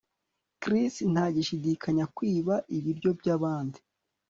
Chris ntashidikanya kwiba ibiryo byabandi